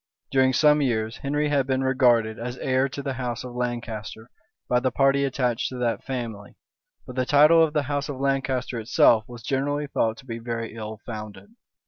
During some years, Henry had been regarded as heir to the house of Lancaster by the party attached to that family; but the title of the house of Lancaster itself was generally thought to be very ill founded.